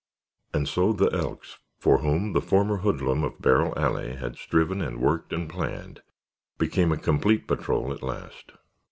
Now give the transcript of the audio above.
And so the Elks, for whom the former hoodlum of Barrel Alley had striven and worked and planned, became a complete patrol at last.